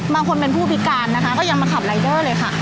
บางคนเป็นผู้พิการนะคะก็ยังมาขับรายเดอร์เลยค่ะ